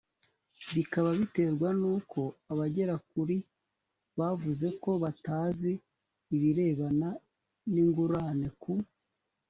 bikaba biterwa nuko abagera kuri bavuze ko batazi ibirebana n ingurane ku